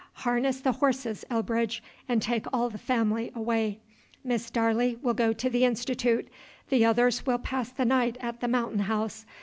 Harness the horses, Elbridge, and take all the family away. Miss Darley will go to the Institute; the others will pass the night at the Mountain House.